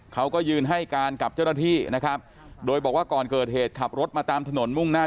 เขาก็ยืนให้การกับเจ้าหน้าที่นะครับโดยบอกว่าก่อนเกิดเหตุขับรถมาตามถนนมุ่งหน้า